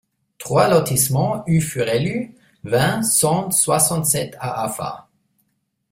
trois lotissement U Furellu, vingt, cent soixante-sept à Afa